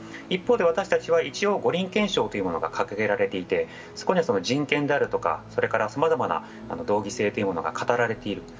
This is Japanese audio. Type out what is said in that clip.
一方で私たちは一応、五輪憲章というものが掲げられていて、そこには人権であるとかさまざまな同義性というものが語られている。